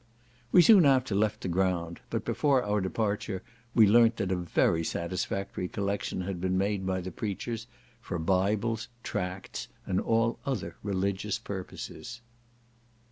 We soon after left the ground; but before our departure we learnt that a very satisfactory collection had been made by the preachers, for Bibles, Tracts, and all other religious purposes.